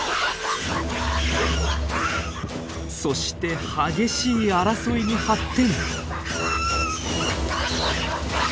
そして激しい争いに発展。